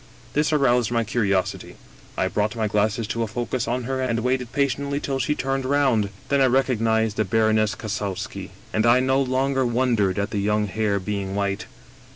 This aroused my curios ity. I brought my glasses to a focus on her and waited patiently till she turned round. Then I recognized the Baroness Kassowski, and I no longer wondered at the young hair being white.